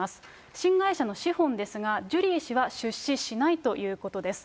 新会社の資本ですが、ジュリー氏は出資しないということです。